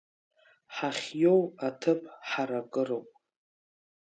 Ҳахьиоу ҭыԥ ҳаракыроуп.